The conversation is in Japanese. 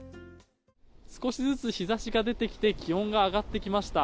少しずつ日ざしが出てきて気温が上がってきました。